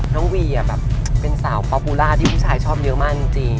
วีแบบเป็นสาวคอปูล่าที่ผู้ชายชอบเยอะมากจริง